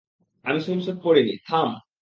আমি swimsuit পরি নি, থাম!